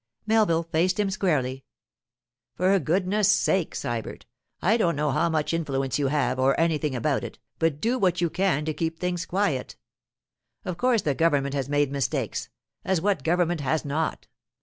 Melville faced him squarely. 'For goodness' sake, Sybert, I don't know how much influence you have, or anything about it, but do what you can to keep things quiet. Of course the government has made mistakes—as what government has not?